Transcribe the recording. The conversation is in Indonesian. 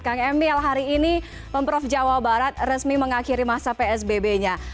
kang emil hari ini pemprov jawa barat resmi mengakhiri masa psbb nya